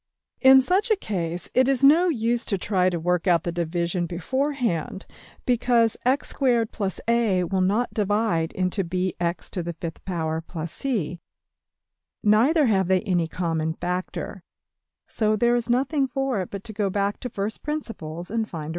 In such a case it is no use to try to work out the division beforehand, because $x^2 + a$ will not divide into $bx^5 + c$, neither have they any common factor. So there is nothing for it but to go back to first principles, and find a rule.